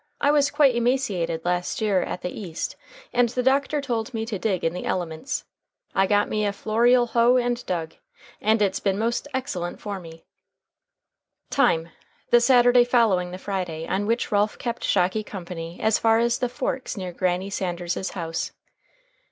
I was quite emaciated last year at the East, and the doctor told me to dig in the elements. I got me a florial hoe and dug, and it's been most excellent for me." Time, the Saturday following the Friday on which Ralph kept Shocky company as far as the "forks" near Granny Sanders's house.